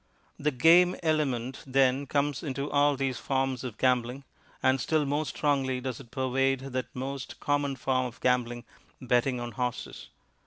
The "game" element, then, comes into all these forms of gambling, and still more strongly does it pervade that most common form of gambling, betting on horses.